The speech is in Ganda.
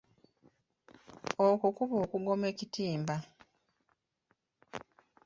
Okwo kuba okugoma ekitimba.